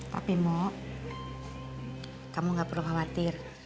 tapi mo kamu gak perlu khawatir